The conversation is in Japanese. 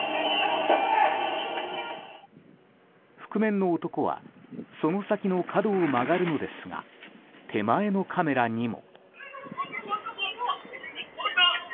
覆面の男はその先の角を曲がるのですが手前のカメラにも。